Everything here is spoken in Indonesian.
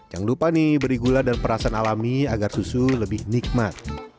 jangan lupa nih beri gula dan perasan alami agar susu lebih nikmat